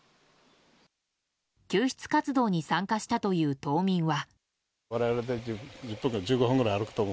救出活動に参加したという島民は。